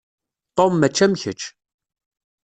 Tom mačči am kečč.